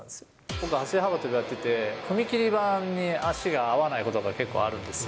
僕、走り幅跳びやってて、踏み切り板に足が合わないことが結構あるんですよ。